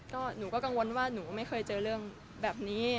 ก็หนูก็กังวลว่าหนูไม่เคยเจอเรื่องแบบนี้